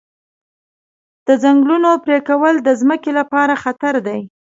د ځنګلونو پرېکول د ځمکې لپاره خطر دی.